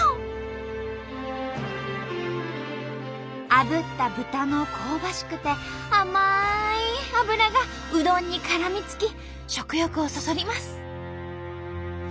あぶった豚の香ばしくて甘い脂がうどんにからみつき食欲をそそります。